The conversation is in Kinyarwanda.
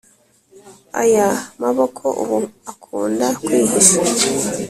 aya maboko ubu akunda kwihisha,